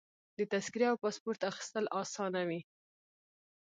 د تذکرې او پاسپورټ اخیستل اسانه وي.